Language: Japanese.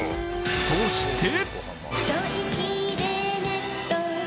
そして。